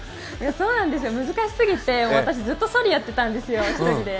そうなんですよ、難しすぎて私、ずっと１人でそりやってたんです。